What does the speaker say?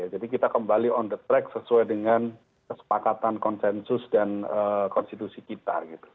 jadi kita kembali on the track sesuai dengan kesepakatan konsensus dan konstitusi kita